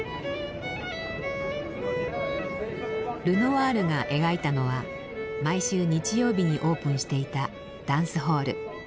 ルノワールが描いたのは毎週日曜日にオープンしていたダンスホール。